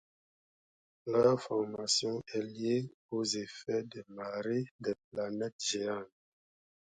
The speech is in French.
Leur formation est liée aux effets de marée des planètes géantes.